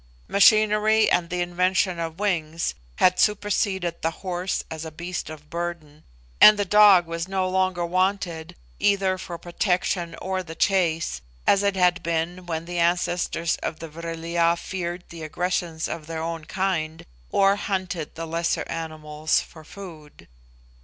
Machinery and the invention of wings had superseded the horse as a beast of burden; and the dog was no longer wanted either for protection or the chase, as it had been when the ancestors of the Vril ya feared the aggressions of their own kind, or hunted the lesser animals for food.